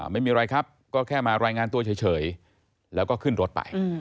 ไม่มีอะไรครับก็แค่มารายงานตัวเฉยแล้วก็ขึ้นรถไป